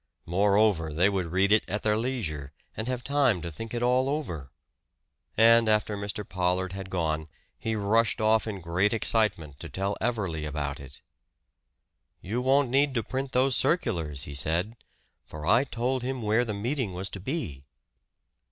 Moreover, they would read it at their leisure, and have time to think it all over! And after Mr. Pollard had gone, he rushed off in great excitement to tell Everley about it. "You won't need to print those circulars," he said. "For I told him where the meeting was to be."